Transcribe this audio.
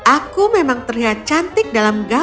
aku memang terlihat cantik dalam gaun berwarna